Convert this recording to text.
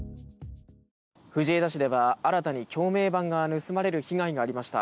藤枝市では新たに橋名板が盗まれる被害がありました。